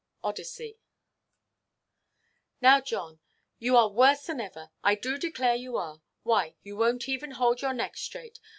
Od. xi. 581. "Now, John, you are worse than ever, I do declare you are; why, you wonʼt even hold your neck straight.